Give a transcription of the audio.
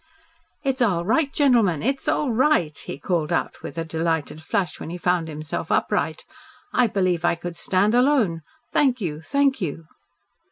"It's all right, gentlemen. It's all right," he called out with a delighted flush, when he found himself upright. "I believe I could stand alone. Thank you. Thank you."